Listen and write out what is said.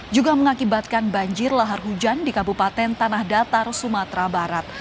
juga mengakibatkan banjir lahar hujan di kabupaten tanah datar sumatera barat